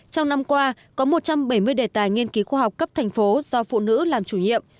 trong năm qua có một trăm bảy mươi đề tài nghiên cứu khoa học cấp thành phố do phụ nữ làm chủ nhiệm